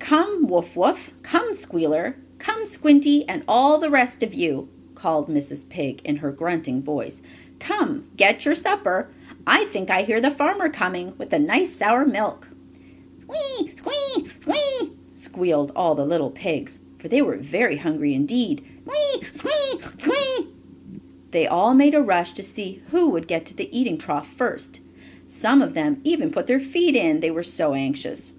"Come, Wuff Wuff. Come, Squealer. Come, Squinty, and all the rest of you!" called Mrs. Pig in her grunting voice. "Come, get ready for supper. I think I hear the farmer coming with the nice sour milk!" "Squee! Squee! Squee!" squealed all the little pigs, for they were very hungry indeed. "Squee! Squee! Squee!" They all made a rush to see who would get to the eating trough first. Some of them even put their feet in, they were so anxious.